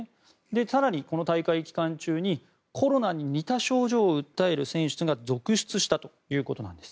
更にこの大会期間中にコロナに似た症状を訴える選手が続出したということなんです。